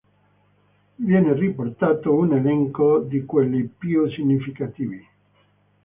Viene riportato un elenco di quelli più significativi.